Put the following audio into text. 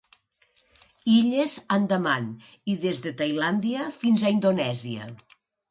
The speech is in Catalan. Illes Andaman i des de Tailàndia fins a Indonèsia.